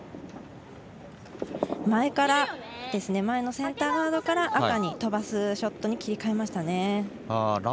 前のセンターガードから赤に飛ばすショットに切り替えましたね。